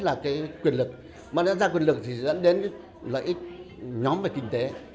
lợi ích là quyền lực mà lợi ích ra quyền lực thì dẫn đến lợi ích nhóm và kinh tế